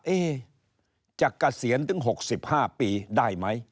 เอ๊ะจะกระเสียญถึง๖๕ปีได้ไหม